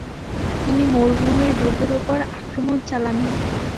তিনি মরুভূমির দুর্গের উপর আক্রমণ চালাননি।